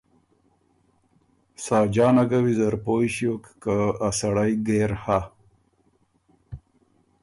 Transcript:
ساجانه ګه ویزر پویٛ ݭیوک که ا سړئ ګېر هۀ